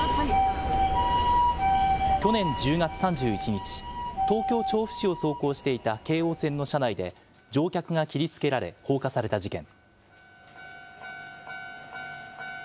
去年１０月３１日、東京・調布市を走行していた京王線の車内で、乗客が切りつけられ、放火された事件。